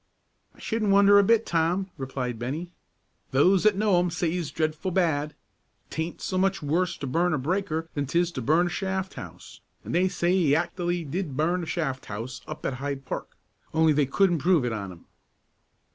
"I shouldn't wonder a bit, Tom," replied Bennie; "those 'at know, him says he's dreadful bad. 'Taint so much worse to burn a breaker than 'tis to burn a shaft house, an' they say he act'ally did burn a shaft house up at Hyde Park, only they couldn't prove it on him."